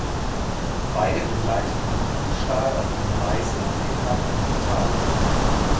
Beide begleiteten Riefenstahl auf ihren Reisen nach Finnland und Italien.